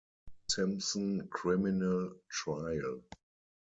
Simpson criminal trial.